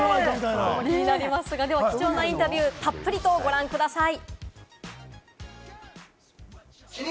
貴重なインタビュー、たっぷりとご覧ください。